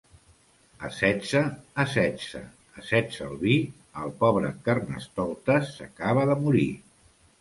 A setze, a setze, a setze el vi, el pobre Carnestoltes s'acaba de morir.